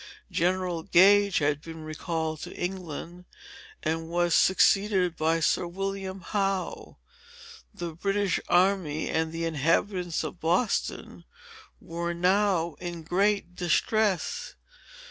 "General Gage had been recalled to England, and was succeeded by Sir William Howe. The British army, and the inhabitants of Boston, were now in great distress.